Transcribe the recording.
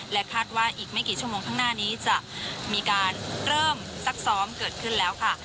คาดว่าอีกไม่กี่ชั่วโมงข้างหน้านี้จะมีการเริ่มซักซ้อมเกิดขึ้นแล้วค่ะ